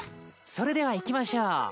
それでは行きましょう。